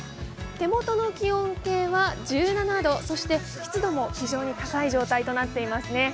手元の気温計は１７度、そして湿度も非常に高い状態となっています。